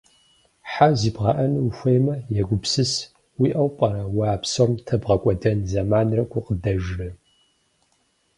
Хьэ зибгъэӏэну ухуеймэ, егупсыс, уиӏэу пӏэрэ уэ а псом тебгъэкӏуэдэн зэманрэ гукъыдэжрэ.